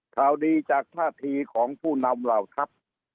ข่าวดีจากท่าทีของผู้นำเหล่าทัพ